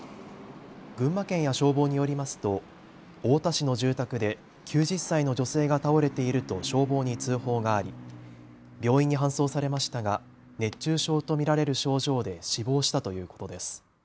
群馬県や消防によりますと太田市の住宅で９０歳の女性が倒れていると消防に通報があり病院に搬送されましたが熱中症と見られる症状で死亡したということです。